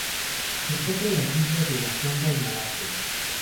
Se encuentra en las islas de la Sonda y Malasia.